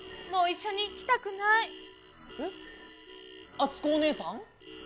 あつこおねえさん？